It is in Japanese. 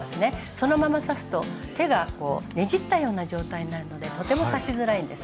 そのまま刺すと手がねじったような状態になるのでとても刺しづらいんです。